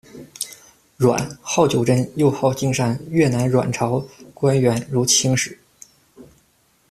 阮 𠈅， 号九真，又号靖山，越南阮朝官员，如清使。